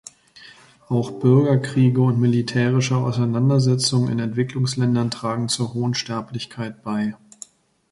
Auch Bürgerkriege und militärische Auseinandersetzungen in Entwicklungsländern tragen zur hohen Sterblichkeit bei.